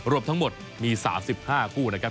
รวมทั้งหมดมีสามสิบห้าคู่นะครับ